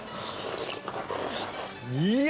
いや！